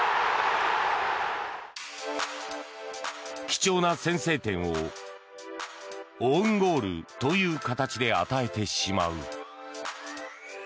貴重な先制点をオウンゴールという形で与えてしまう。